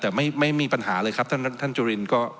แต่ไม่มีปัญหาเลยครับท่านจุรินก็